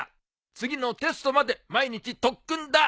次のテストまで毎日特訓だ！